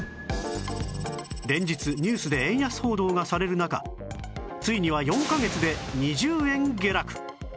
連日ニュースで円安報道がされる中ついには４カ月で２０円下落